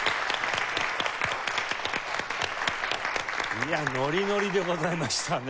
いやあノリノリでございましたねえ。